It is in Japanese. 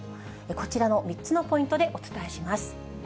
こちらの３つのポイントでお伝えします。